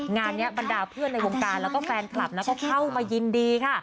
งานนี้บรรดาเพื่อนในวงการแล้วก็แฟนคลับนะก็เข้ามายินดีค่ะ